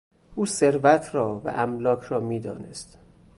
او ثروت را و املاک را میدانست.